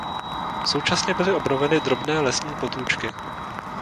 Současně byly obnoveny drobné lesní potůčky.